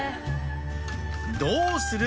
どうする？